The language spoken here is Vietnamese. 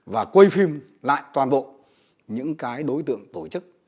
và quay phim lại toàn bộ những cái đối tượng tổ chức